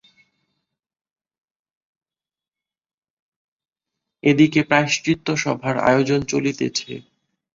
এ দিকে প্রায়শ্চিত্তসভার আয়োজন চলিতেছে।